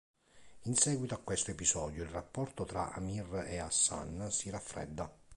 In seguito a questo episodio, il rapporto tra Amir e Hassan si raffredda.